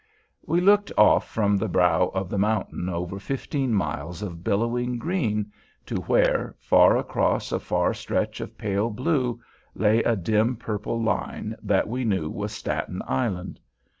We looked off from the brow of the mountain over fifteen miles of billowing green, to where, far across a far stretch of pale blue lay a dim purple line that we knew was Staten Island.